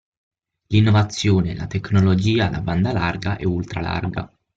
L'innovazione, la tecnologia, la banda larga e ultralarga.